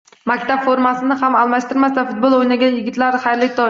Maktab formasini ham alishtirmasdan futbol o'ynagan yigitlar, xayrli tong!